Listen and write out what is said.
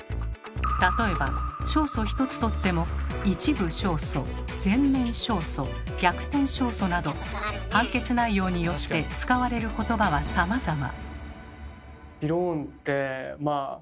例えば勝訴ひとつとっても「一部勝訴」「全面勝訴」「逆転勝訴」など判決内容によって使われる言葉はさまざま。